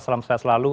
salam sejahtera selalu